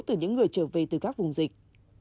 từ những người trở về từ các vùng dịch